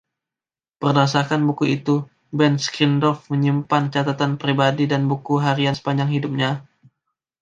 Berdasarkan buku itu, Benckendorff menyimpan catatan pribadi dan buku harian sepanjang hidupnya.